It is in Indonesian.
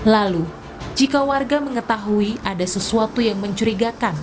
lalu jika warga mengetahui ada sesuatu yang mencurigakan